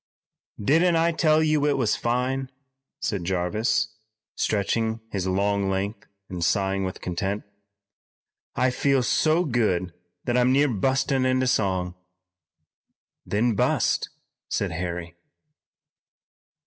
"Didn't I tell you it was fine?" said Jarvis, stretching his long length and sighing with content. "I feel so good that I'm near bustin' into song." "Then bust," said Harry.